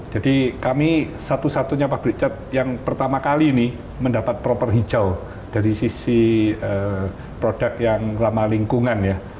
jadi kami satu satunya pabrik cat yang pertama kali ini mendapat proper hijau dari sisi produk yang ramah lingkungan ya